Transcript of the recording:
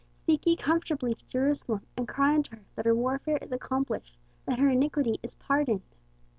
Speak ye comfortably to Jerusalem, and cry unto her that her warfare is accomplished, that her iniquity is pardoned.'